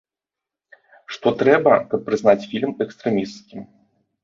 Што трэба, каб прызнаць фільм экстрэмісцкім?